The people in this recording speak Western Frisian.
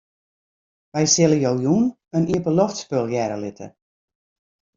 Wy sille jo jûn in iepenloftspul hearre litte.